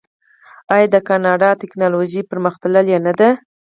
آیا د کاناډا ټیکنالوژي پرمختللې نه ده؟